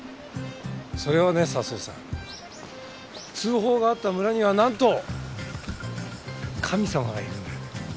それはね佐相さん通報があった村にはなんと神様がいるんだよ。